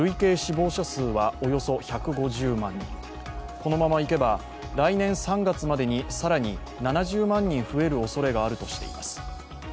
このままいけば、来年３月までに更に７０万人増えるおそれがあるとしています。